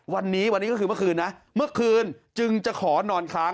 วันนี้วันนี้ก็คือเมื่อคืนนะเมื่อคืนจึงจะขอนอนค้าง